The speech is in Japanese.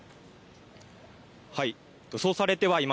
はい。